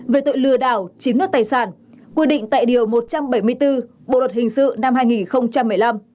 về tội lừa đảo chiếm đoạt tài sản quy định tại điều một trăm bảy mươi bốn bộ luật hình sự năm hai nghìn một mươi năm